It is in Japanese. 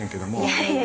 いえいえ。